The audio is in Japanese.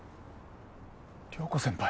涼子先輩。